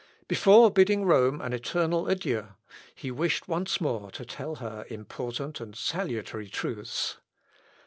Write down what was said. Before bidding Rome an eternal adieu, he wished once more to tell her important and salutary truths.